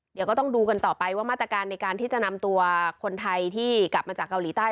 เดี๋ยวก็ต้องดูกันต่อไปว่ามาตรการในการที่จะนำตัวคนไทยที่กลับมาจากเกาหลีใต้